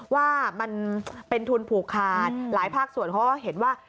ว่ามันเป็นทุนผูกขาดหลายภาคส่วนเขาก็เห็นว่า